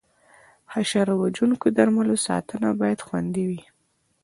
د حشره وژونکو درملو ساتنه باید خوندي وي.